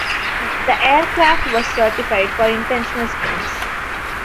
The aircraft was certified for intentional spins.